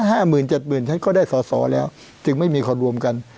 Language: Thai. ห้าหมื่นเจ็ดหมื่นฉันก็ได้สอสอแล้วจึงไม่มีคนรวมกัน